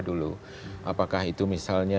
dulu apakah itu misalnya